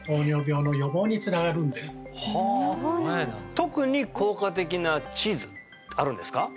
特に効果的なチーズあるんですか？